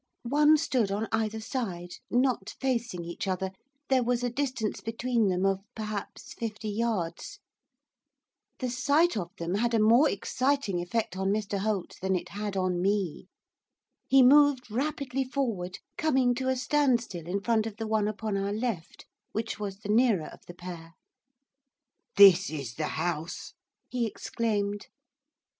One stood on either side, not facing each other, there was a distance between them of perhaps fifty yards. The sight of them had a more exciting effect on Mr Holt than it had on me. He moved rapidly forward, coming to a standstill in front of the one upon our left, which was the nearer of the pair. 'This is the house!' he exclaimed.